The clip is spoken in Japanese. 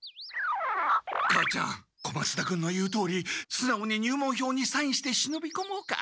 母ちゃん小松田君の言うとおりすなおに入門票にサインして忍びこもうか。